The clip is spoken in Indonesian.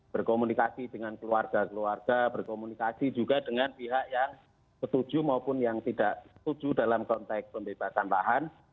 berkomunikasi dengan keluarga keluarga berkomunikasi juga dengan pihak yang setuju maupun yang tidak setuju dalam konteks pembebasan lahan